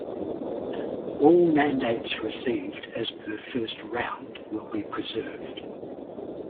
All mandates received as per first round will be preserved.